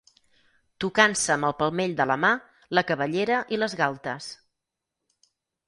Tocant-se amb el palmell de la mà la cabellera i les galtes